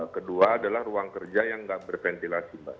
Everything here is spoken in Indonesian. kedua adalah ruang kerja yang nggak berventilasi mbak